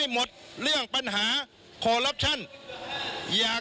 ชูเว็ดตีแสดหน้า